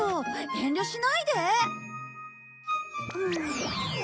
遠慮しないで！